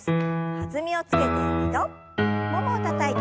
弾みをつけて２度ももをたたいて。